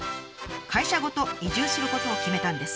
会社ごと移住することを決めたんです。